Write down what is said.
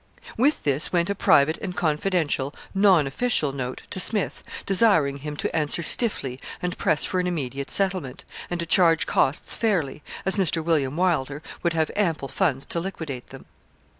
With this went a private and confidential, non official, note to Smith, desiring him to answer stiffly and press for an immediate settlement, and to charge costs fairly, as Mr. William Wylder would have ample funds to liquidate them.